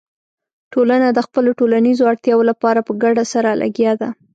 ټولنه د خپلو ټولنیزو اړتیاوو لپاره په ګډه سره لګیا ده.